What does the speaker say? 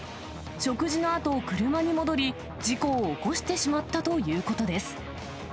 食事のあと、車に戻り、事故を起こしてしまったということです。